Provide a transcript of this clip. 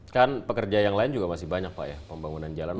kan pekerja yang lain juga masih banyak pak ya pembangunan jalan